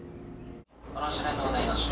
「ご乗車ありがとうございました。